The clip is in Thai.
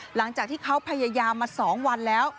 หลังจากที่เขาพยายามมา๒วันแล้ว